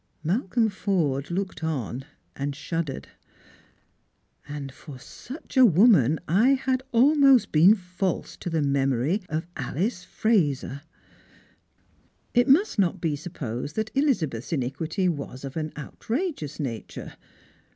Malcolm Forde looked on, and shuddered. " And for such a woman I had almost been false to the memory of Alice Eraser !" It must not be supposed that Elizabeth's iniquity was of an outrageous nature.